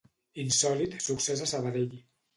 Insòlit succés a Sabadell.